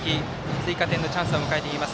追加点のチャンスを迎えています。